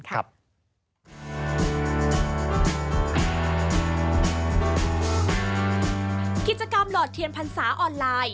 กิจกรรมหลอดเทียนพรรษาออนไลน์